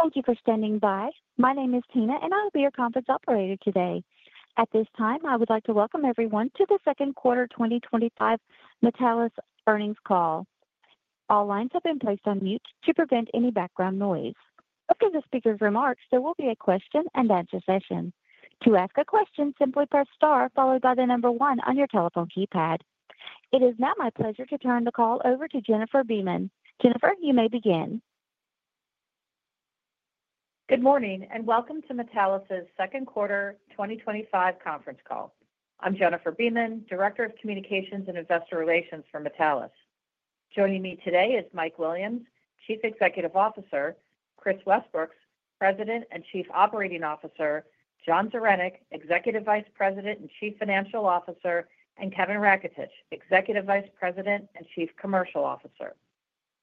Thank you for standing by. My name is Tina, and I'll be your conference operator today. At this time, I would like to welcome everyone to the Second Quarter 2025 Metallus Earnings Call. All lines have been placed on mute to prevent any background noise. After the speaker's remarks, there will be a question and answer session. To ask a question, simply press star followed by the number one on your telephone keypad. It is now my pleasure to turn the call over to Jennifer Beeman. Jennifer, you may begin. Good morning and welcome to Metallus's Second Quarter 2025 Conference Call. I'm Jennifer Beeman, Director of Communications and Investor Relations for Metallus. Joining me today is Mike Williams, Chief Executive Officer, Kris Westbrooks, President and Chief Operating Officer, John Zaranec, Executive Vice President and Chief Financial Officer, and Kevin Raketich, Executive Vice President and Chief Commercial Officer.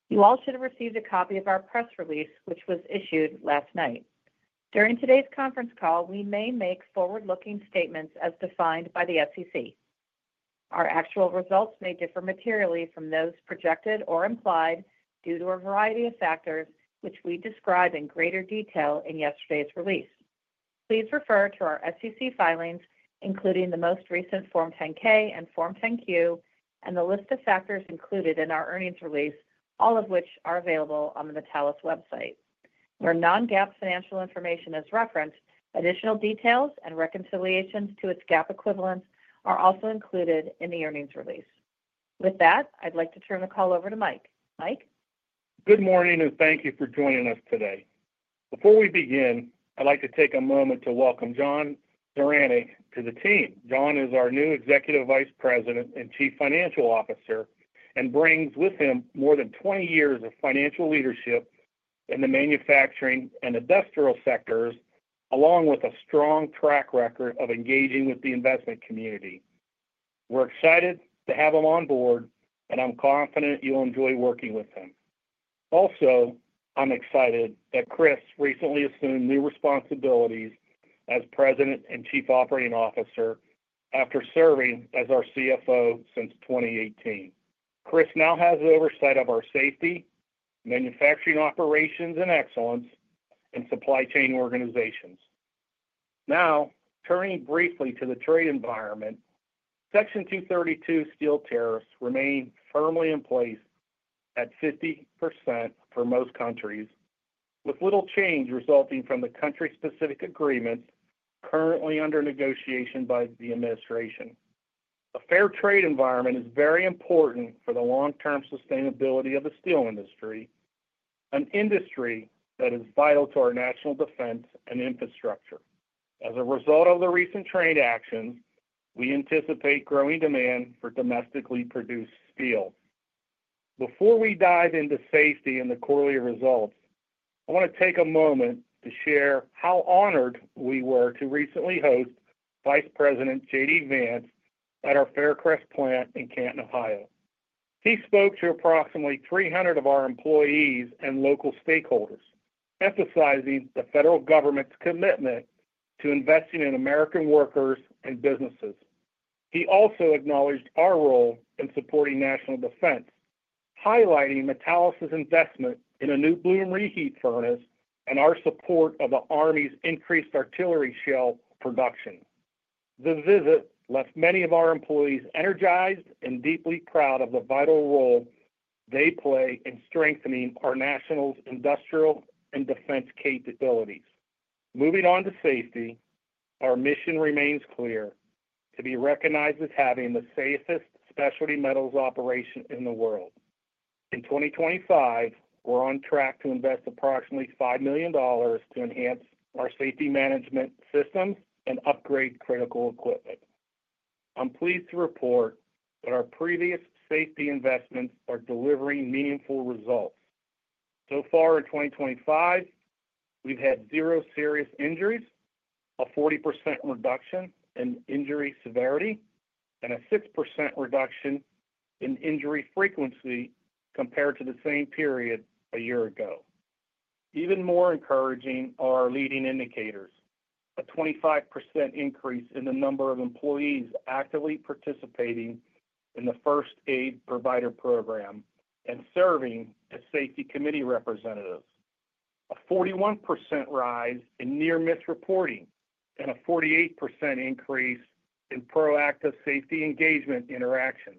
You all should have received a copy of our press release, which was issued last night. During today's conference call, we may make forward-looking statements as defined by the U.S. SEC. Our actual results may differ materially from those projected or implied due to a variety of factors, which we described in greater detail in yesterday's release. Please refer to our SEC filings, including the most recent Form 10-K and Form 10-Q, and the list of factors included in our earnings release, all of which are available on the Metallus. website. Where non-GAAP financial information is referenced, additional details and reconciliations to its GAAP equivalents are also included in the earnings release. With that, I'd like to turn the call over to Mike. Mike? Good morning and thank you for joining us today. Before we begin, I'd like to take a moment to welcome John Zaranec to the team. John is our new Executive Vice President and Chief Financial Officer and brings with him more than 20 years of financial leadership in the manufacturing and industrial sectors, along with a strong track record of engaging with the investment community. We're excited to have him on board, and I'm confident you'll enjoy working with him. Also, I'm excited that Kris recently assumed new responsibilities as President and Chief Operating Officer after serving as our CFO since 2018. Kris now has the oversight of our safety, manufacturing operations and excellence, and supply chain organizations. Now, turning briefly to the trade environment, Section 232 steel tariffs remain firmly in place at 50% for most countries, with little change resulting from the country-specific agreements currently under negotiation by the administration. A fair trade environment is very important for the long-term sustainability of the steel industry, an industry that is vital to our national defense and infrastructure. As a result of the recent trade actions, we anticipate growing demand for domestically produced steel. Before we dive into safety and the quarterly results, I want to take a moment to share how honored we were to recently host Vice President J.D. Vance at our Faircrest plant in Canton, Ohio. He spoke to approximately 300 of our employees and local stakeholders, emphasizing the federal government's commitment to investing in American workers and businesses. He also acknowledged our role in supporting national defense, highlighting Metallus's investment in a new bloom reheat furnace and our support of the Army's increased artillery shell production. The visit left many of our employees energized and deeply proud of the vital role they play in strengthening our national industrial and defense capabilities. Moving on to safety, our mission remains clear: to be recognized as having the safest specialty metals operation in the world. In 2025, we're on track to invest approximately $5 million to enhance our safety management systems and upgrade critical equipment. I'm pleased to report that our previous safety investments are delivering meaningful results. So far, in 2025, we've had zero serious injuries, a 40% reduction in injury severity, and a 6% reduction in injury frequency compared to the same period a year ago. Even more encouraging are our leading indicators: a 25% increase in the number of employees actively participating in the first aid provider program and serving as safety committee representatives, a 41% rise in near-miss reporting, and a 48% increase in proactive safety engagement interactions.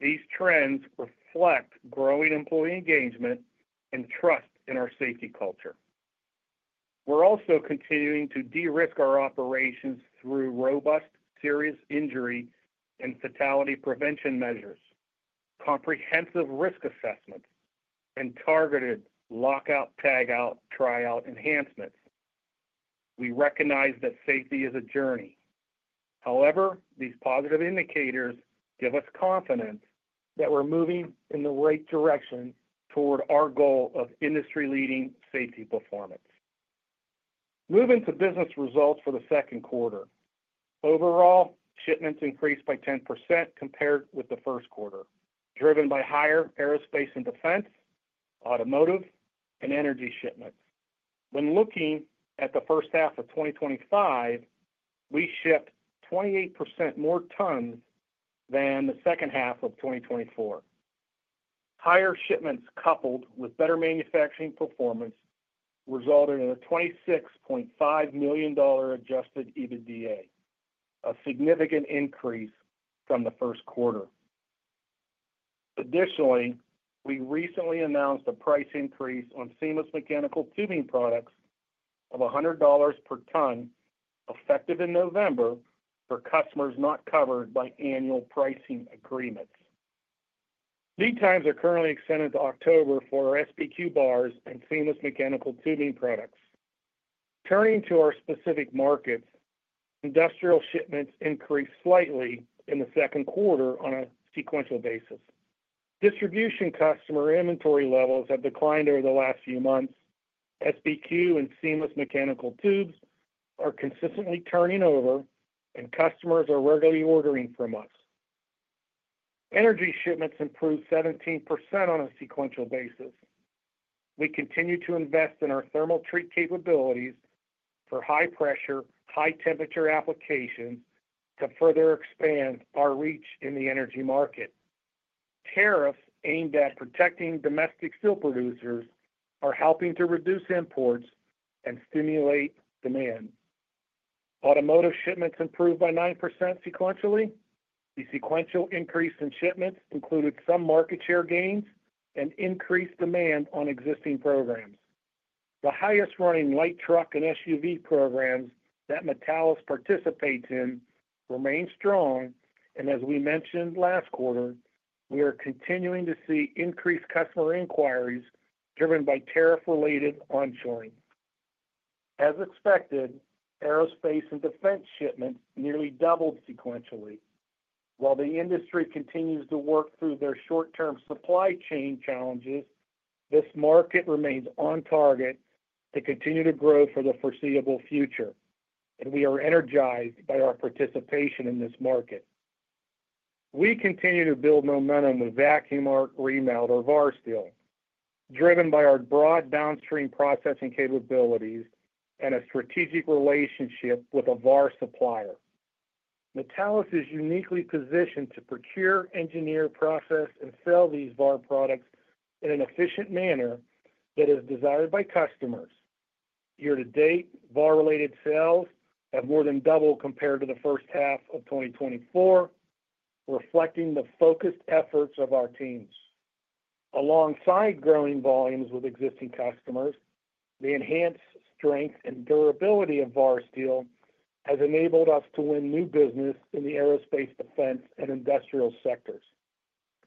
These trends reflect growing employee engagement and trust in our safety culture. We're also continuing to de-risk our operations through robust serious injury and fatality prevention measures, comprehensive risk assessment, and targeted lockout/tagout/tryout enhancements. We recognize that safety is a journey. However, these positive indicators give us confidence that we're moving in the right direction toward our goal of industry-leading safety performance. Moving to business results for the second quarter, overall shipments increased by 10% compared with the first quarter, driven by higher aerospace and defense, automotive, and energy shipments. When looking at the first half of 2025, we shipped 28% more tons than the second half of 2024. Higher shipments, coupled with better manufacturing performance, resulted in a $26.5 million adjusted EBITDA, a significant increase from the first quarter. Additionally, we recently announced a price increase on seamless mechanical tubing products of $100 per ton, effective in November, for customers not covered by annual pricing agreements. Lead times are currently extended to October for our SPQ bars and seamless mechanical tubing products. Turning to our specific markets, industrial shipments increased slightly in the second quarter on a sequential basis. Distribution customer inventory levels have declined over the last few months. SPQ and seamless mechanical tubes are consistently turning over, and customers are regularly ordering from us. Energy shipments improved 17% on a sequential basis. We continue to invest in our thermal treat capabilities for high-pressure, high-temperature applications to further expand our reach in the energy market. Tariffs aimed at protecting domestic steel producers are helping to reduce imports and stimulate demand. Automotive shipments improved by 9% sequentially. The sequential increase in shipments included some market share gains and increased demand on existing programs. The highest running light truck and SUV programs that Metallus participates in remain strong, and as we mentioned last quarter, we are continuing to see increased customer inquiries driven by tariff-related onshoring. As expected, aerospace and defense shipments nearly doubled sequentially. While the industry continues to work through their short-term supply chain challenges, this market remains on target to continue to grow for the foreseeable future, and we are energized by our participation in this market. We continue to build momentum with vacuum arc remelt or VAR steel, driven by our broad downstream processing capabilities and a strategic relationship with a VAR supplier. Metallus is uniquely positioned to procure, engineer, process, and sell these VAR products in an efficient manner that is desired by customers. Year-to-date, VAR-related sales have more than doubled compared to the first half of 2024, reflecting the focused efforts of our teams. Alongside growing volumes with existing customers, the enhanced strength and durability of VAR steel has enabled us to win new business in the aerospace, defense, and industrial sectors.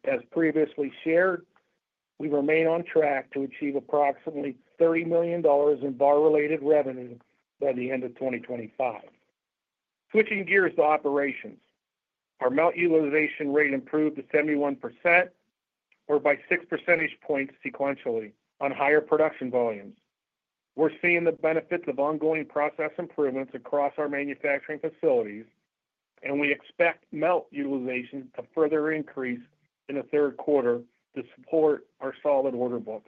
As previously shared, we remain on track to achieve approximately $30 million in VAR-related revenue by the end of 2025. Switching gears to operations, our melt utilization rate improved to 71%, or by 6 percentage points sequentially on higher production volumes. We're seeing the benefits of ongoing process improvements across our manufacturing facilities, and we expect melt utilization to further increase in the third quarter to support our solid order book.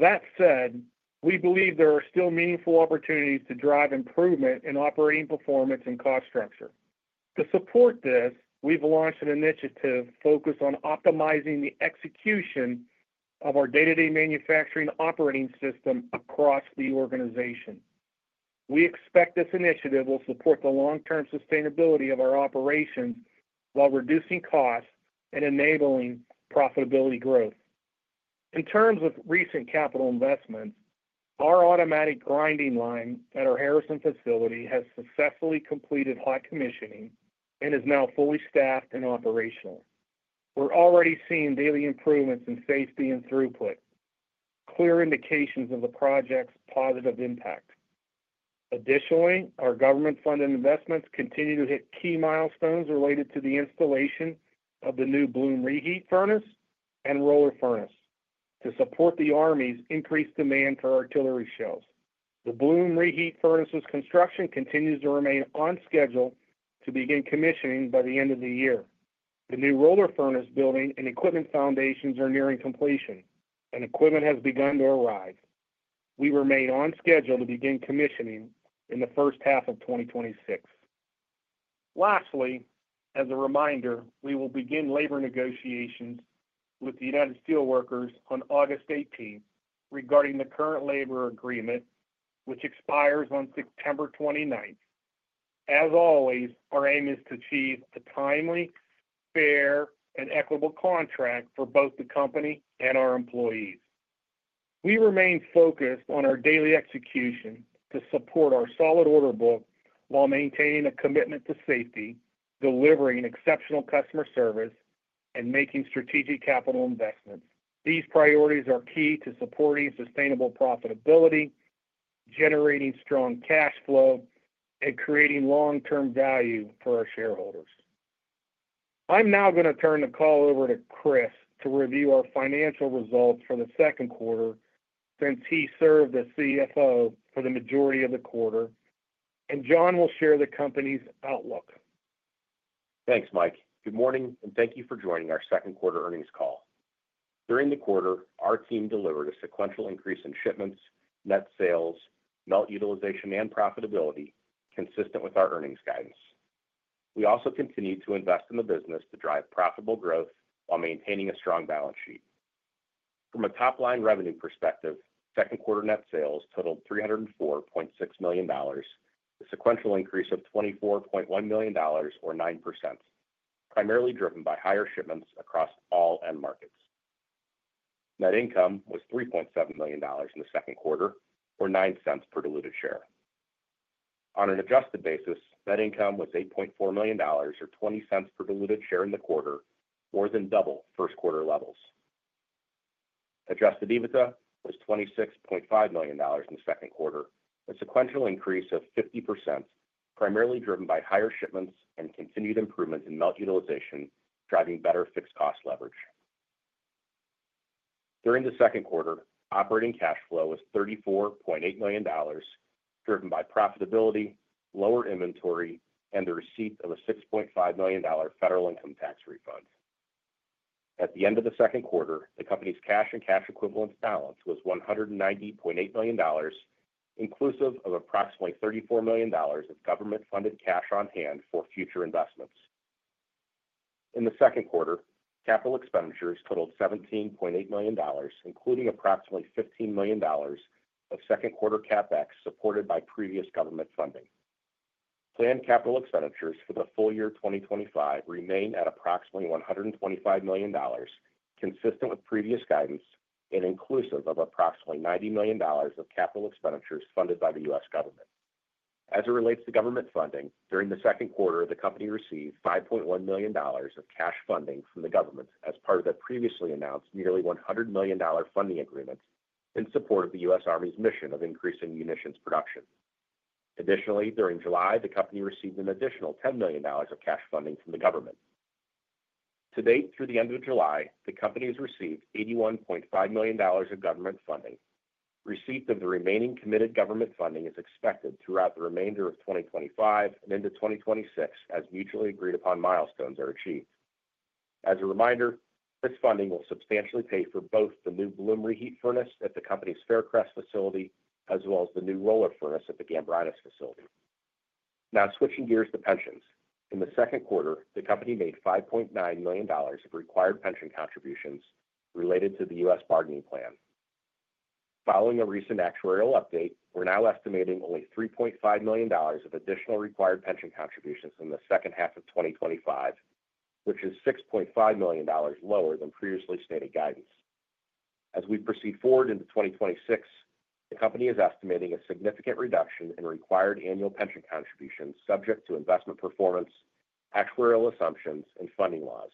That said, we believe there are still meaningful opportunities to drive improvement in operating performance and cost structure. To support this, we've launched an initiative focused on optimizing the execution of our day-to-day manufacturing operating system across the organization. We expect this initiative will support the long-term sustainability of our operations while reducing costs and enabling profitability growth. In terms of recent capital investment, our automatic grinding line at our Harrison facility has successfully completed hot commissioning and is now fully staffed and operational. We're already seeing daily improvements in safety and throughput, clear indications of the project's positive impact. Additionally, our government-funded investments continue to hit key milestones related to the installation of the new bloom reheat furnace and roller furnace to support the Army's increased demand for artillery shells. The bloom reheat furnace's construction continues to remain on schedule to begin commissioning by the end of the year. The new roller furnace building and equipment foundations are nearing completion, and equipment has begun to arrive. We remain on schedule to begin commissioning in the first half of 2026. Lastly, as a reminder, we will begin labor negotiations with the United Steelworkers on August 18 regarding the current labor agreement, which expires on September 29. As always, our aim is to achieve a timely, fair, and equitable contract for both the company and our employees. We remain focused on our daily execution to support our solid order book while maintaining a commitment to safety, delivering exceptional customer service, and making strategic capital investment. These priorities are key to supporting sustainable profitability, generating strong cash flow, and creating long-term value for our shareholders. I'm now going to turn the call over to Kris to review our financial results for the second quarter since he served as CFO for the majority of the quarter, and John will share the company's outlook. Thanks, Mike. Good morning, and thank you for joining our second quarter earnings call. During the quarter, our team delivered a sequential increase in shipments, net sales, melt utilization, and profitability, consistent with our earnings guidance. We also continued to invest in the business to drive profitable growth while maintaining a strong balance sheet. From a top-line revenue perspective, second quarter net sales totaled $304.6 million, a sequential increase of $24.1 million, or 9%, primarily driven by higher shipments across all end markets. Net income was $3.7 million in the second quarter, or $0.09 per diluted share. On an adjusted basis, net income was $8.4 million, or $0.20 per diluted share in the quarter, more than double first quarter levels. Adjusted EBITDA was $26.5 million in the second quarter, a sequential increase of 50%, primarily driven by higher shipments and continued improvement in melt utilization, driving better fixed cost leverage. During the second quarter, operating cash flow was $34.8 million, driven by profitability, lower inventory, and the receipt of a $6.5 million federal income tax refund. At the end of the second quarter, the company's cash and cash equivalent balance was $190.8 million, inclusive of approximately $34 million of government-funded cash on hand for future investments. In the second quarter, capital expenditures totaled $17.8 million, including approximately $15 million of second quarter CapEx supported by previous government funding. Planned capital expenditures for the full year 2025 remain at approximately $125 million, consistent with previous guidance and inclusive of approximately $90 million of capital expenditures funded by the U.S. government. As it relates to government funding, during the second quarter, the company received $5.1 million of cash funding from the government as part of the previously announced nearly $100 million funding agreements in support of the U.S. Army's mission of increasing munitions production. Additionally, during July, the company received an additional $10 million of cash funding from the government. To date, through the end of July, the company has received $81.5 million of government funding, receipt of the remaining committed government funding as expected throughout the remainder of 2025 and into 2026 as mutually agreed upon milestones are achieved. As a reminder, this funding will substantially pay for both the new bloom reheat furnace at the company's Faircrest facility as well as the new roller furnace at the Gambrinus facility. Now, switching gears to pensions. In the second quarter, the company made $5.9 million of required pension contributions related to the U.S. bargaining plan. Following a recent actuarial update, we're now estimating only $3.5 million of additional required pension contributions in the second half of 2025, which is $6.5 million lower than previously stated guidance. As we proceed forward into 2026, the company is estimating a significant reduction in required annual pension contributions subject to investment performance, actuarial assumptions, and funding laws.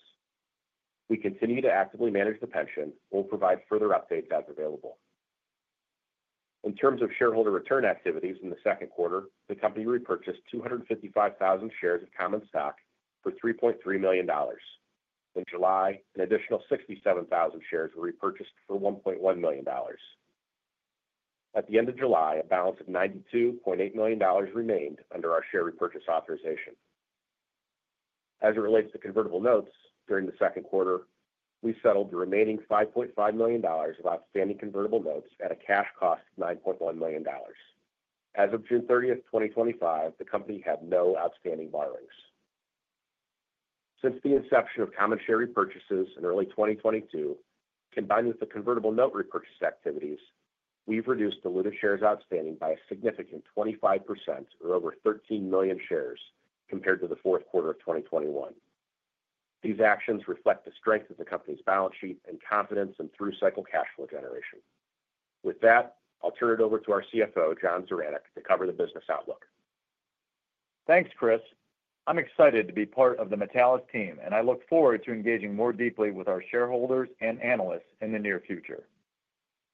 We continue to actively manage the pension. We'll provide further updates as available. In terms of shareholder return activities in the second quarter, the company repurchased 255,000 shares of common stock for $3.3 million. In July, an additional 67,000 shares were repurchased for $1.1 million. At the end of July, a balance of $92.8 million remained under our share repurchase authorization. As it relates to convertible notes, during the second quarter, we settled the remaining $5.5 million of outstanding convertible notes at a cash cost of $9.1 million. As of June 30th, 2025, the company had no outstanding borrowings. Since the inception of common share repurchases in early 2022, combined with the convertible note repurchase activities, we've reduced diluted shares outstanding by a significant 25%, or over 13 million shares compared to the fourth quarter of 2021. These actions reflect the strength of the company's balance sheet and confidence in through cycle cash flow generation. With that, I'll turn it over to our CFO, John Zaranec, to cover the business outlook. Thanks, Kris. I'm excited to be part of the Metallus team, and I look forward to engaging more deeply with our shareholders and analysts in the near future.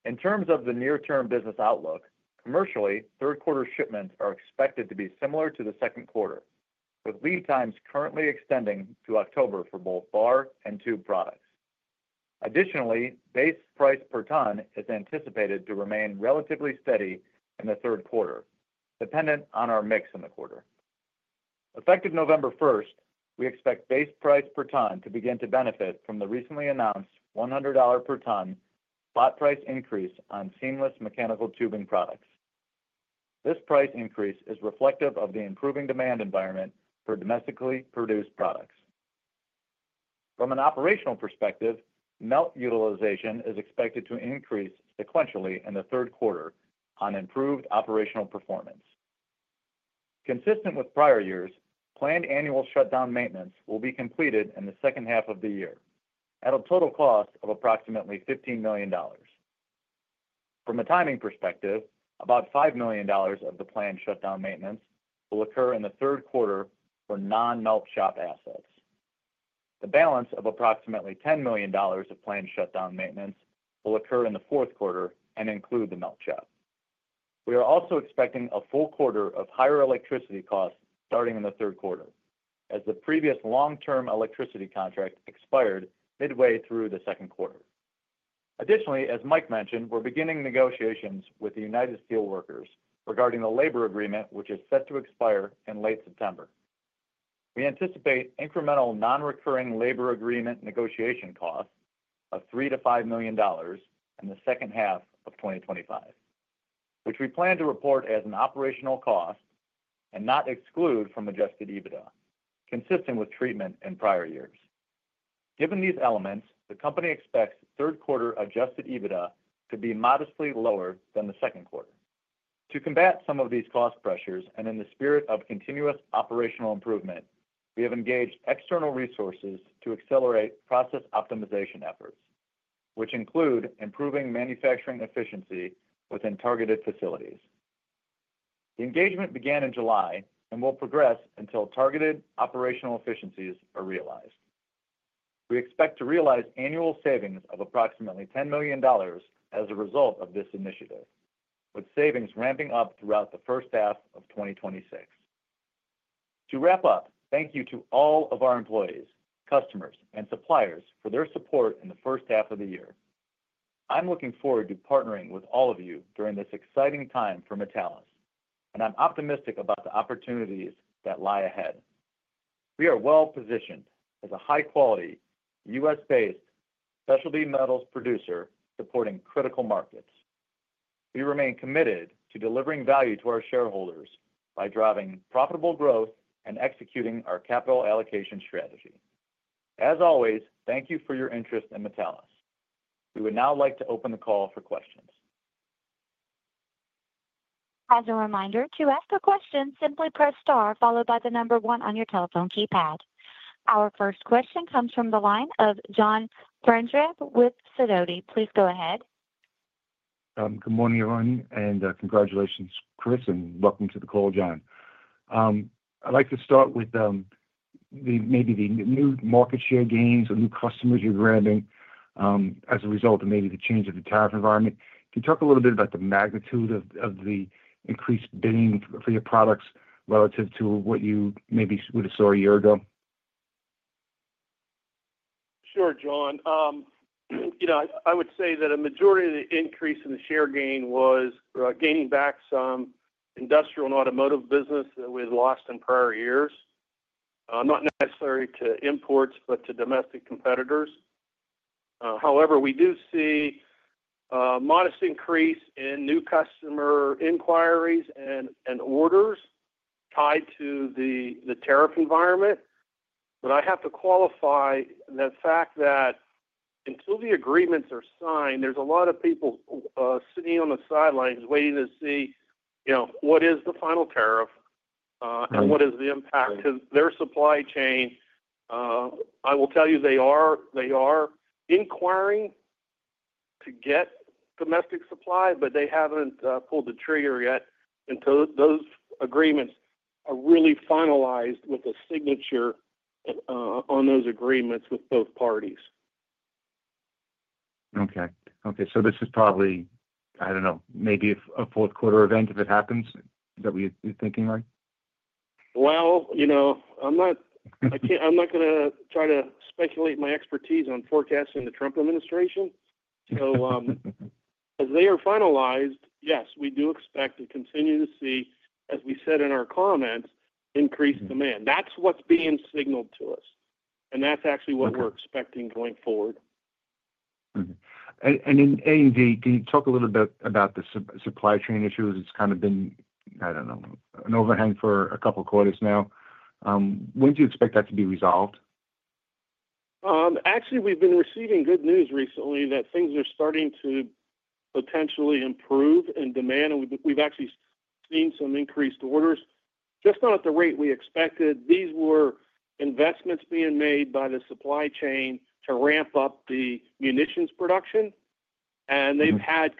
In terms of the near-term business outlook, commercially, third quarter shipments are expected to be similar to the second quarter, with lead times currently extending to October for both bar and tube products. Additionally, base price per ton is anticipated to remain relatively steady in the third quarter, dependent on our mix in the quarter. Effective November 1st, we expect base price per ton to begin to benefit from the recently announced $100 per ton spot price increase on seamless mechanical tubing products. This price increase is reflective of the improving demand environment for domestically produced products. From an operational perspective, melt utilization is expected to increase sequentially in the third quarter on improved operational performance. Consistent with prior years, planned annual shutdown maintenance will be completed in the second half of the year at a total cost of approximately $15 million. From a timing perspective, about $5 million of the planned shutdown maintenance will occur in the third quarter for non-melt shop assets. The balance of approximately $10 million of planned shutdown maintenance will occur in the fourth quarter and include the melt shop. We are also expecting a full quarter of higher electricity costs starting in the third quarter, as the previous long-term electricity contract expired midway through the second quarter. Additionally, as Mike mentioned, we're beginning negotiations with the United Steelworkers regarding the labor agreement, which is set to expire in late September. We anticipate incremental non-recurring labor agreement negotiation costs of $3 million-$5 million in the second half of 2025, which we plan to report as an operational cost and not exclude from adjusted EBITDA, consistent with treatment in prior years. Given these elements, the company expects third quarter adjusted EBITDA to be modestly lower than the second quarter. To combat some of these cost pressures and in the spirit of continuous operational improvement, we have engaged external resources to accelerate process optimization efforts, which include improving manufacturing efficiency within targeted facilities. The engagement began in July and will progress until targeted operational efficiencies are realized. We expect to realize annual savings of approximately $10 million as a result of this initiative, with savings ramping up throughout the first half of 2026. To wrap up, thank you to all of our employees, customers, and suppliers for their support in the first half of the year. I'm looking forward to partnering with all of you during this exciting time for Metallus, and I'm optimistic about the opportunities that lie ahead. We are well positioned as a high-quality, U.S.-based specialty metals producer supporting critical markets. We remain committed to delivering value to our shareholders by driving profitable growth and executing our capital allocation strategy. As always, thank you for your interest in Metallus. We would now like to open the call for questions. As a reminder, to ask a question, simply press star followed by the number one on your telephone keypad. Our first question comes from the line of John Franzreb with Sidoti. Please go ahead. Good morning, everyone, and congratulations, Kris, and welcome to the call, John. I'd like to start with maybe the new market share gains or new customers you're grabbing as a result of maybe the change of the tariff environment. Could you talk a little bit about the magnitude of the increased bidding for your products relative to what you maybe would have saw a year ago? Sure, John. I would say that a majority of the increase in the share gain was gaining back some industrial and automotive business that we had lost in prior years, not necessarily to imports, but to domestic competitors. However, we do see a modest increase in new customer inquiries and orders tied to the tariff environment. I have to qualify the fact that until the agreements are signed, there's a lot of people sitting on the sidelines waiting to see what is the final tariff and what is the impact to their supply chain. I will tell you, they are inquiring to get domestic supply, but they haven't pulled the trigger yet until those agreements are really finalized with a signature on those agreements with both parties. Okay. This is probably, I don't know, maybe a fourth quarter event if it happens that we're thinking like. I'm not going to try to speculate my expertise on forecasting the Trump administration. As they are finalized, yes, we do expect to continue to see, as we said in our comments, increased demand. That's what's being signaled to us, and that's actually what we're expecting going forward. Okay. In any case, can you talk a little bit about the supply chain issues? It's kind of been, I don't know, an overhang for a couple of quarters now. When do you expect that to be resolved? Actually, we've been receiving good news recently that things are starting to potentially improve in demand, and we've actually seen some increased orders, just not at the rate we expected. These were investments being made by the supply chain to ramp up the munitions production. They've had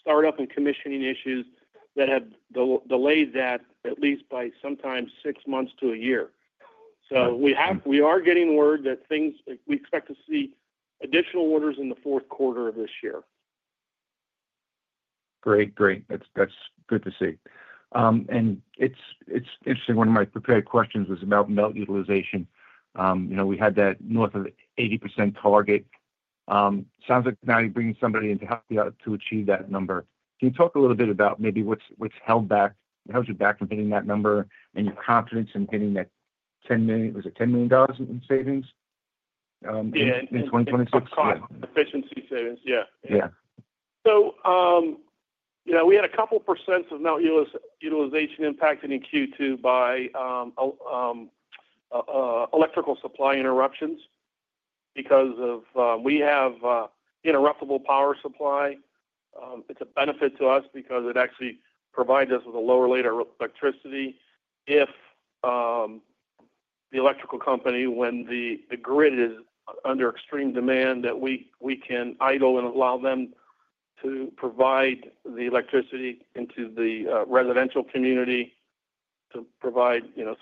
startup and commissioning issues that have delayed that at least by sometimes six months to a year. We are getting word that things, we expect to see additional orders in the fourth quarter of this year. Great. That's good to see. It's interesting. One of my prepared questions was about melt utilization. You know, we had that north of 80% target. Sounds like now you're bringing somebody in to help you out to achieve that number. Can you talk a little bit about maybe what's held you back from hitting that number and your confidence in hitting that $10 million in savings in 2025? Efficiency savings, yeah. We had a couple of percent of melt utilization impacted in Q2 by electrical supply interruptions because we have interruptible power supply. It's a benefit to us because it actually provides us with a lower rate of electricity if the electrical company, when the grid is under extreme demand, that we can idle and allow them to provide the electricity into the residential community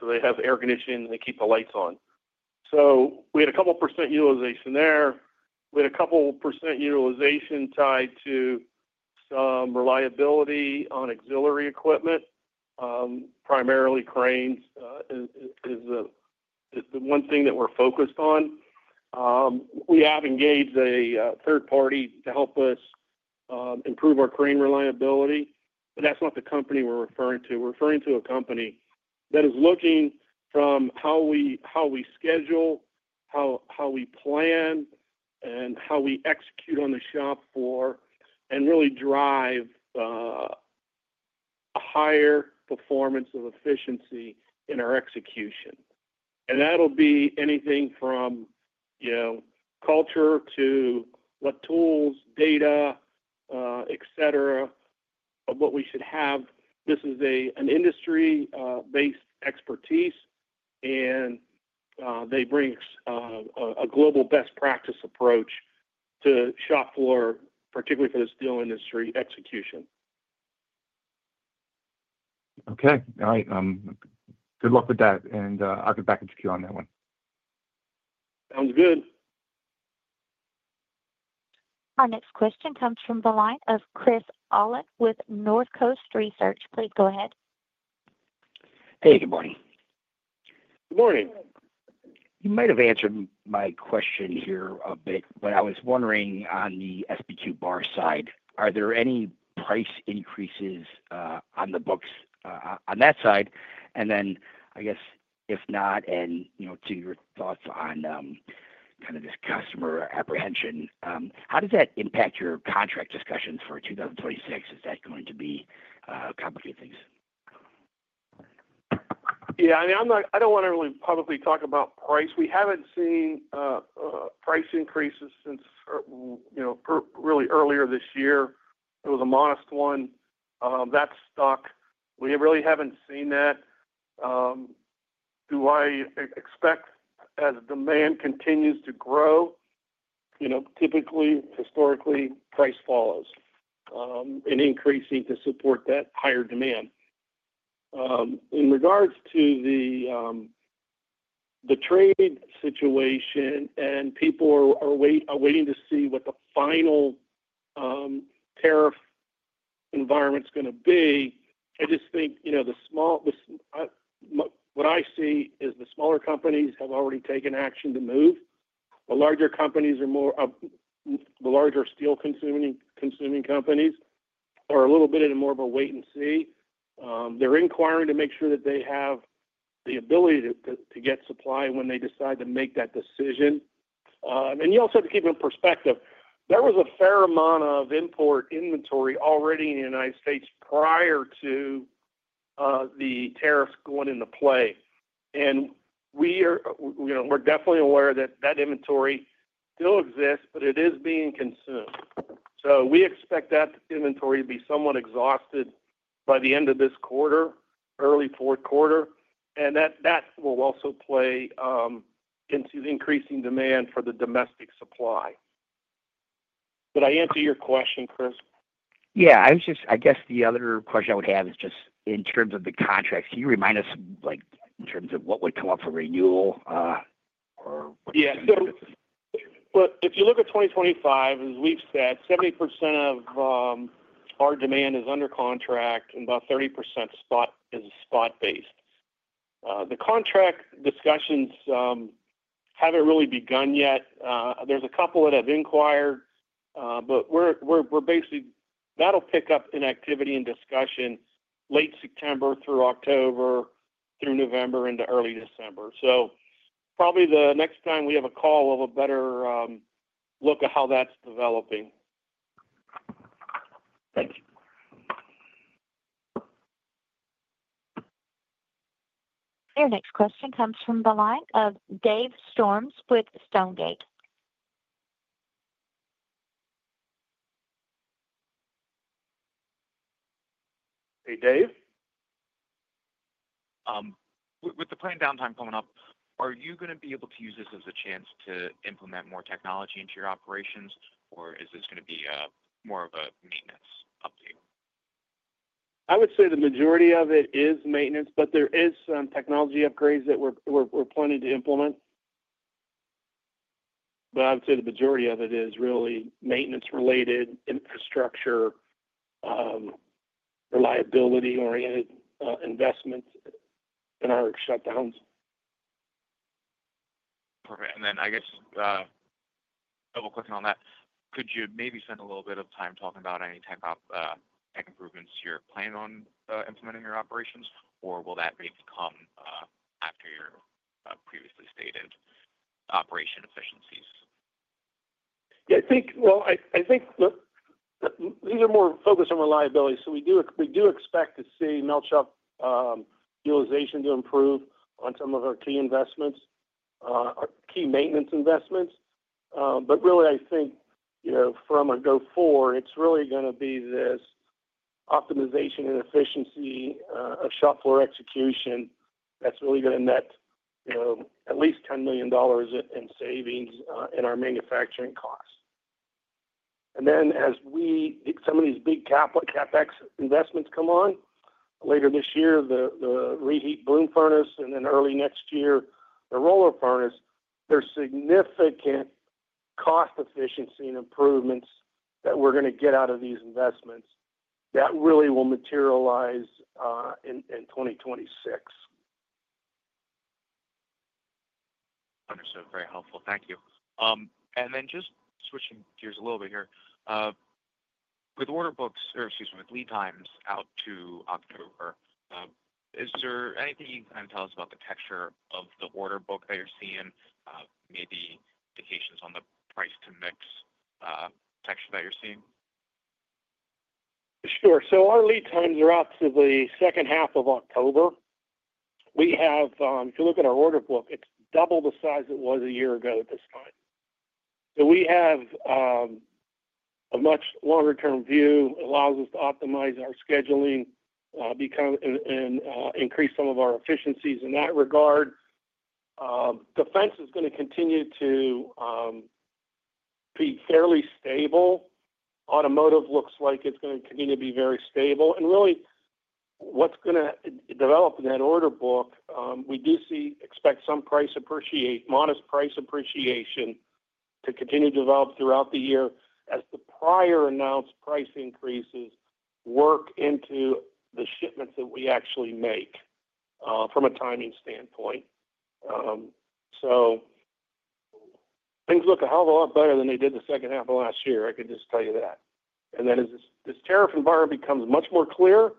so they have air conditioning and they keep the lights on. We had a couple of percent utilization there. We had a couple of percent utilization tied to some reliability on auxiliary equipment, primarily cranes. That is the one thing that we're focused on. We have engaged a third party to help us improve our crane reliability, but that's not the company we're referring to. We're referring to a company that is looking from how we schedule, how we plan, and how we execute on the shop floor and really drive a higher performance of efficiency in our execution. That'll be anything from culture to what tools, data, etc., of what we should have. This is an industry-based expertise, and they bring a global best practice approach to shop floor, particularly for the steel industry execution. All right. Good luck with that, and I'll get back with you on that one. Sounds good. Our next question comes from the line of Chris Olin with Northcoast Research. Please go ahead. Hey, good morning. Good morning. You might have answered my question here a bit, but I was wondering on the SPQ bar side, are there any price increases on the books on that side? I guess, if not, and you know, to your thoughts on kind of this customer apprehension, how does that impact your contract discussions for 2026? Is that going to be kind of a few things? Yeah. I mean, I don't want to really publicly talk about price. We haven't seen price increases since, you know, really earlier this year. It was a modest one, that's stuck. We really haven't seen that. Do I expect as demand continues to grow? You know, typically, historically, price follows, and increasing to support that higher demand. In regards to the trade situation and people are waiting to see what the final tariff environment's going to be, I just think, you know, the small, what I see is the smaller companies have already taken action to move. The larger companies are more, the larger steel consuming companies are a little bit in more of a wait and see. They're inquiring to make sure that they have the ability to get supply when they decide to make that decision. You also have to keep in perspective, there was a fair amount of import inventory already in the United States prior to the tariffs going into play. We are, you know, we're definitely aware that that inventory still exists, but it is being consumed. We expect that inventory to be somewhat exhausted by the end of this quarter, early fourth quarter. That will also play into increasing demand for the domestic supply. Did I answer your question, Chris? I guess the other question I would have is just in terms of the contracts. Can you remind us, like, in terms of what would come up for renewal? If you look at 2025, as we've said, 70% of our demand is under contract and about 30% is spot-based. The contract discussions haven't really begun yet. There's a couple that have inquired, but we're basically, that'll pick up in activity and discussion late September through October, through November into early December. Probably the next time we have a call, we'll have a better look at how that's developing. Our next question comes from the line of Dave Storms with Stonegate. Hey, Dave. With the planned downtime coming up, are you going to be able to use this as a chance to implement more technology into your operations, or is this going to be more of a maintenance update? I would say the majority of it is maintenance, but there is some technology upgrades that we're planning to implement. I would say the majority of it is really maintenance-related infrastructure, reliability-oriented investments in our shutdowns. Perfect. I guess, double-clicking on that, could you maybe spend a little bit of time talking about any type of tech improvements you're planning on implementing in your operations, or will that maybe come after your previously stated operation efficiencies? I think these are more focused on reliability. We do expect to see melt shop utilization improve on some of our key investments, our key maintenance investments. Really, I think from a go forward, it's really going to be this optimization and efficiency of shop floor execution that's really going to net at least $10 million in savings in our manufacturing costs. As some of these big capital CapEx investments come on later this year, the Bloom reheat furnace, and then early next year, the roller furnace, there's significant cost efficiency and improvements that we're going to get out of these investments that really will materialize in 2026. Understood. Very helpful. Thank you. Just switching gears a little bit here, with lead times out to October, is there anything you can kind of tell us about the texture of the order book that you're seeing, maybe implications on the price to mix, texture that you're seeing? Sure. Our lead times are up to the second half of October. If you look at our order book, it's double the size it was a year ago at this time. We have a much longer-term view, which allows us to optimize our scheduling, become more efficient, and increase some of our efficiencies in that regard. Defense is going to continue to be fairly stable. Automotive looks like it's going to continue to be very stable. What's going to develop in that order book, we do expect some price appreciation, modest price appreciation to continue to develop throughout the year as the prior announced price increases work into the shipments that we actually make from a timing standpoint. Things look a hell of a lot better than they did the second half of last year. I can just tell you that. As this tariff environment becomes much more clear,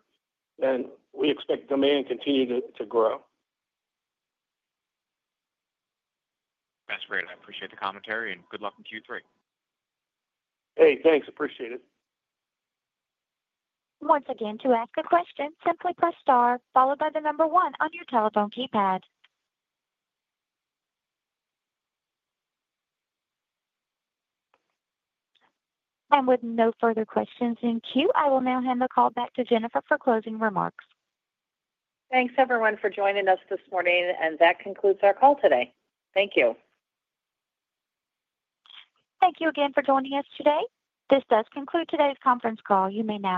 we expect demand to continue to grow. That's great. I appreciate the commentary, and good luck in Q3. Hey, thanks. Appreciate it. Once again, to ask a question, simply press star, followed by the number one on your telephone keypad. With no further questions in queue, I will now hand the call back to Jennifer for closing remarks. Thanks, everyone, for joining us this morning. That concludes our call today. Thank you. Thank you again for joining us today. This does conclude today's conference call. You may now.